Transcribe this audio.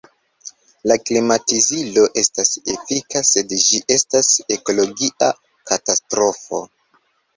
La klimatizilo estas efika, sed ĝi estas ekologia katastrofo.